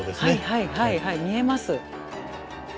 はいはいはい見えます。